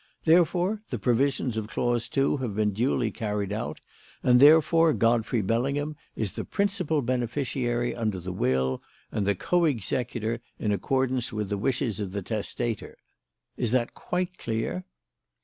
Therefore the provisions of clause two have been duly carried out and therefore Godfrey Bellingham is the principal beneficiary under the will, and the co executor, in accordance with the wishes of the testator. Is that quite clear?"